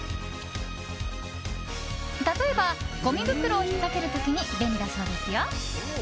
例えば、ごみ袋を引っかける時に便利だそうですよ。